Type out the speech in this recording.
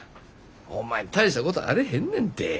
ホンマに大したことあれへんねんて。